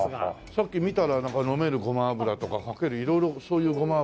さっき見たらなんか飲めるゴマ油とかかける色々そういうゴマ油？